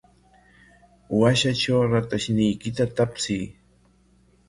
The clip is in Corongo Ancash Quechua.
Washatraw ratayniykita tapsiy.